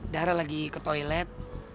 dara lagi ke toilet